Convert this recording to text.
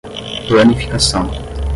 Planificação